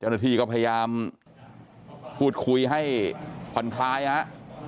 เจ้าหน้าที่ก็พยายามพูดคุยให้ผ่อนคลายฮะ